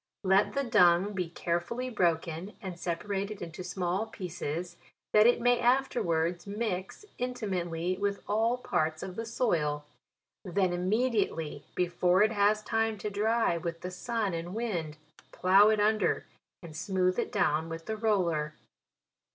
Let the dung be carefully broken and sepa rated into small pieces, that it may afterwards mix intimately with all parts of the soil ; then immediately, before it has time to dry with the sun and wind, plough it under, and smooth it down with the roller.